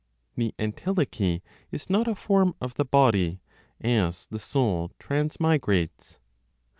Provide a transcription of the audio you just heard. THE ENTELECHY IS NOT A FORM OF THE BODY, AS THE SOUL TRANSMIGRATES.